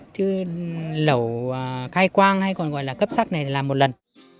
thứ lẩu khai quang hay còn gọi là cấp sắc này là một lần